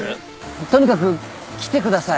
とにかく来てください。